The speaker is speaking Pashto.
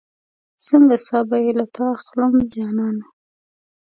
څنګه ساه به بې له تا اخلم جانانه